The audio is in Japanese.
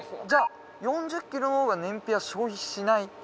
じゃあ４０キロのほうが燃費は消費しない？